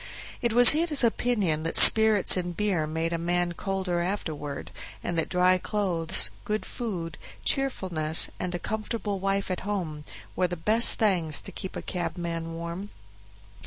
It was his opinion that spirits and beer made a man colder afterward, and that dry clothes, good food, cheerfulness, and a comfortable wife at home, were the best things to keep a cabman warm.